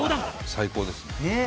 最高ですね。